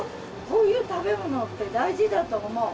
こういう食べ物って大事だと思う。